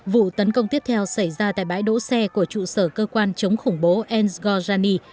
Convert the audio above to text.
vụ tấn công tiếp theo xảy ra tại bãi đỗ xe của trụ sở cơ quan chống khủng bố enzgorjani